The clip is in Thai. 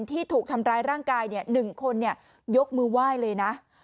ที่ถูกทำร้ายร่างกาย๑คนยกมือไหว้เลยนะ